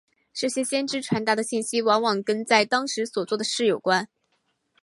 这些先知传达的信息往往跟在当时所做的事有关。